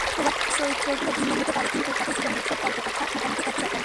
প্রবাসে চরিত্রগুলো ভিন্ন হতে পারে কিন্তু তাদের জীবনযুদ্ধ, গল্পকথা মোটামুটি একই রকম।